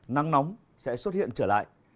nắng nóng sẽ xuất hiện trở lại